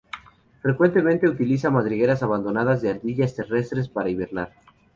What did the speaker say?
Frecuentemente utiliza madrigueras abandonadas de ardillas terrestres para hibernar.